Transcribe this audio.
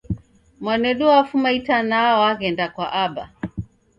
Mwanedu wafuma itanaa w'aghenda kwa aba